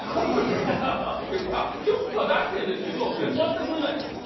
ちょっとは出してるんですけれど、全く売れないです。